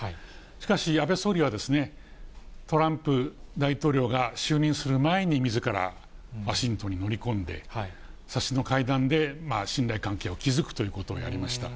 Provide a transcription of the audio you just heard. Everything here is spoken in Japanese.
しかし安倍総理は、トランプ大統領が就任する前にみずからワシントンに乗り込んで、さしの会談で信頼関係を築くということをやりました。